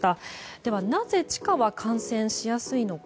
では、なぜ地下は感染しやすいのか。